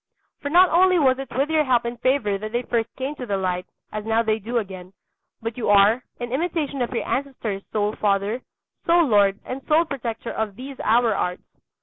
For not only was it with your help and favour that they first came to the light, as now they do again, but you are, in imitation of your ancestors, sole father, sole lord, and sole protector of these our arts.